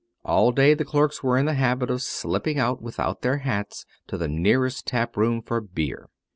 All day the clerks were in the habit of slipping out without their hats to the nearest tap room for beer.